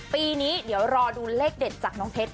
ปีนี้เดี๋ยวรอดูเลขเด็ดจากน้องเพชร